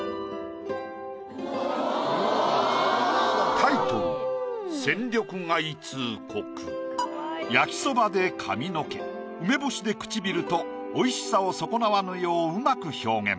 タイトル焼きそばで髪の毛梅干しで唇と美味しさを損なわぬよう上手く表現。